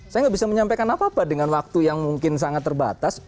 saya nggak bisa menyampaikan apa apa dengan waktu yang mungkin sangat terbatas